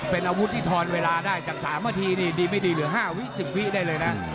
เป็นอาวุธที่ทอนเวลาได้จาก๓นาทีนี่ดีไม่ดีเหลือ๕วิ๑๐วิได้เลยนะ